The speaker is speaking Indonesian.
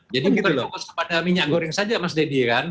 jadi kita fokus kepada minyak goreng saja mas dedy kan